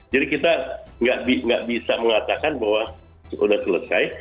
jadi kita tidak bisa mengatakan bahwa sudah selesai